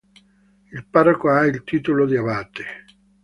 Il parroco ha il titolo di abate.